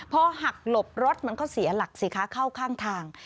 พอหักหลบรถมันก็เสียหลักสิคะเข้าข้างทาง